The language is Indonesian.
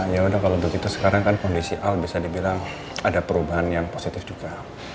ya udah kalau begitu sekarang kan kondisi al bisa dibilang ada perubahan yang positif juga